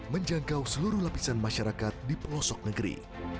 menjangkau seluruh lapisan masyarakat di pelosok negeri